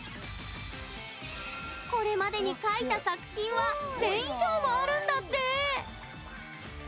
これまでに描いた作品は１０００以上もあるんだって！